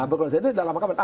berkonsepnya dalam mahkamah